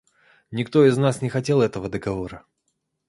Никто из нас не хотел этого договора.